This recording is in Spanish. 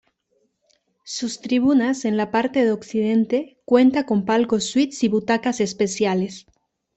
Sus tribunas en la parte de Occidente cuenta con palcos suites y butacas especiales.